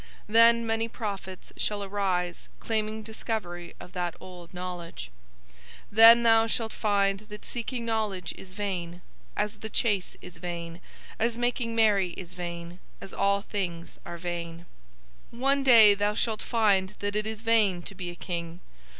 Then many prophets shall arise claiming discovery of that old knowledge. Then thou shalt find that seeking knowledge is vain, as the chase is vain, as making merry is vain, as all things are vain. One day thou shalt find that it is vain to be a King.